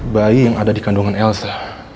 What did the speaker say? bayi yang ada di kandungan elsa